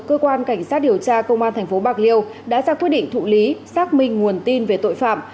cơ quan cảnh sát điều tra công an thành phố bạc liêu đã ra quy định thụ lý xác minh nguồn tin về tội phạm